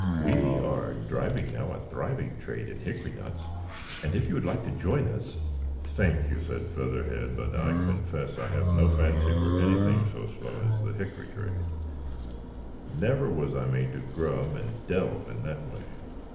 "We are driving now a thriving trade in hickory nuts, and if you would like to join us—" "Thank you," said Featherhead; "but I confess I have no fancy for anything so slow as the hickory trade; I never was made to grub and delve in that way."